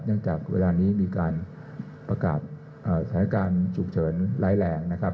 จากเวลานี้มีการประกาศสถานการณ์ฉุกเฉินร้ายแรงนะครับ